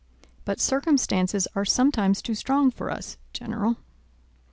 But circumstances are sometimes too strong for us, General."